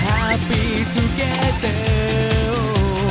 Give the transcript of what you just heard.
แฮปปี้ทูเกตเตอร์